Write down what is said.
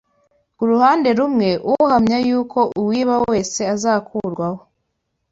ku ruhande rumwe uhamya yuko uwiba wese azakurwaho